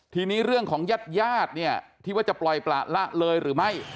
ทีนี้เรื่องของญาติญาติเนี่ยที่ว่าจะปล่อยประละเลยหรือไม่